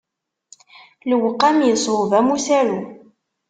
Lewqam iṣweb am usaru.